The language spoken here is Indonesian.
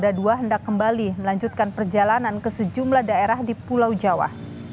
jalur nagrek kabupaten bandung dari jawa tengah bertemu di jalur ini